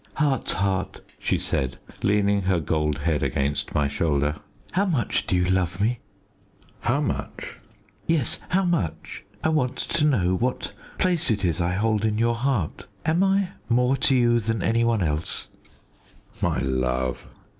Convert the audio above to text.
"Heart's heart," she said, leaning her gold head against my shoulder, "how much do you love me?" "How much?" "Yes how much? I want to know what place it is I hold in your heart. Am I more to you than any one else?" "My love!"